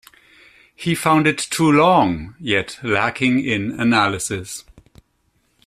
He found it too long, yet lacking in analysis.